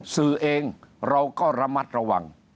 สื่อเองเราก็ระมัดระวัง